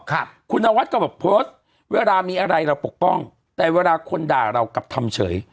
ครับคุณนวัดก็บอกโพสต์เวลามีอะไรเราปกป้องแต่เวลาคนด่าเรากลับทำเฉย